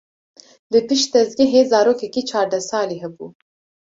Li pişt dezgehê zarokekî çardeh salî hebû.